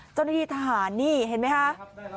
เจ้าหน้าที่ทหารนี่เห็นไหมคะ